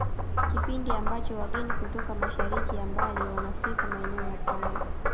Kipindi ambacho wageni kutoka mashariki ya mbali wanafika maeneo ya Pwani